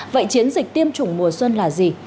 vậy chiến dịch tiêm chủng mùa xuân là gì